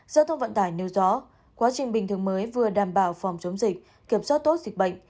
giao thông vận tải nêu rõ quá trình bình thường mới vừa đảm bảo phòng chống dịch kiểm soát tốt dịch bệnh